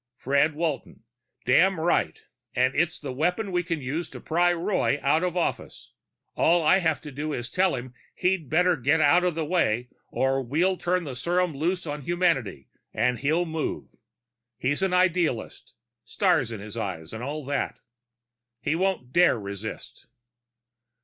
_ Fred Walton: _Damned right. And it's the weapon we can use to pry Roy out of office. All I have to do is tell him he'd better get out of the way or we'll turn the serum loose on humanity, and he'll move. He's an idealist stars in his eyes and all that. He won't dare resist.